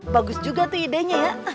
bagus juga tuh idenya ya